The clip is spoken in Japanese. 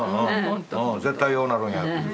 絶対ようなるんやっていう。